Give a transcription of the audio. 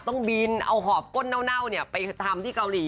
ต้องบินเอาหอบก้นเน่าไปทำที่เกาหลี